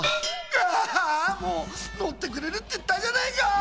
ああもうのってくれるっていったじゃないか！